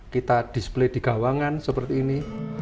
kita display di gawangan seperti ini